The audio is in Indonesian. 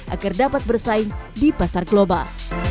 agar dapat bersaing di pasar global